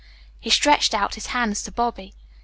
He stretched out his hands to Bobby.